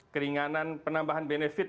keringanan penambahan benefit